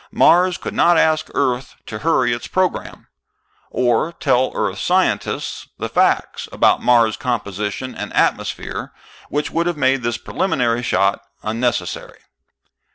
Mars could not ask Earth to hurry its program. Or tell Earth scientists the facts about Mars' composition and atmosphere which would have made this preliminary shot unnecessary.